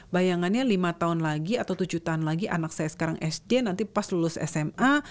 bayangannya lima tahun lagi atau tujuh tahun lagi anak saya sekarang sd nanti pas lulus sma